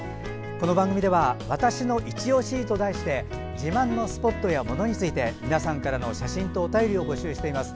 この番組では「＃わたしのいちオシ」と題して自慢のスポットや物について皆さんからの写真とお便りを募集しています。